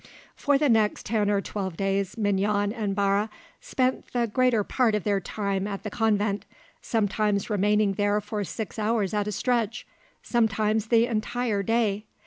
For the next ten or twelve days Mignon and Barre spent the greater part of their time at the convent; sometimes remaining there for six hours at a stretch, sometimes the entire day.